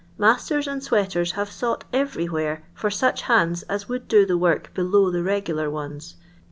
m:usters and sweaters have sought every where for such hands as would do the work below the regular nne:^.